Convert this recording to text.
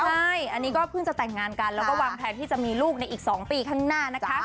ใช่อันนี้ก็เพิ่งจะแต่งงานกันแล้วก็วางแผนที่จะมีลูกในอีก๒ปีข้างหน้านะคะ